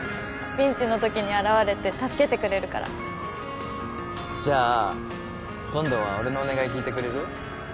ピンチの時に現れて助けてくれるからじゃあ今度は俺のお願い聞いてくれる？